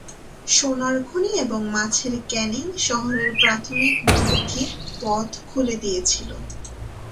সোনার খনি এবং মাছের ক্যানিং শহরের প্রাথমিক বৃদ্ধির পথ খুলে দিয়েছিল।